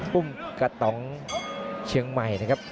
ภูมิกับตองเชียงใหม่